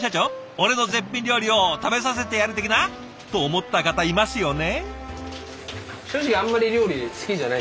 俺の絶品料理を食べさせてやる的な？と思った方いますよね？